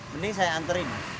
mending saya anterin